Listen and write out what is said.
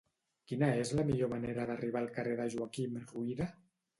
Quina és la millor manera d'arribar al carrer de Joaquim Ruyra?